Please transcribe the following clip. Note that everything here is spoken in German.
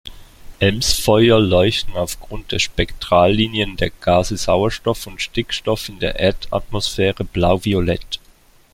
Elmsfeuer leuchten aufgrund der Spektrallinien der Gase Sauerstoff und Stickstoff in der Erdatmosphäre blauviolett.